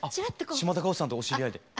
島田歌穂さんとお知り合いで。